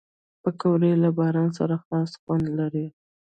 پکورې له باران سره خاص خوند لري